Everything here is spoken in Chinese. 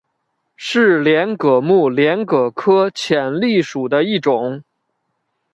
是帘蛤目帘蛤科浅蜊属的一种。